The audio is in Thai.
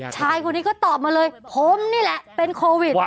ชายคนนี้ก็ตอบมาเลยผมนี่แหละเป็นโควิด